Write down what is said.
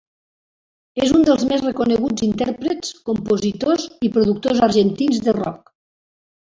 És un dels més reconeguts intèrprets, compositors i productors argentins de rock.